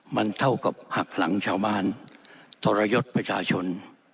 มันเท่ากับหักหลังชาวบ้านทรยศประชาชน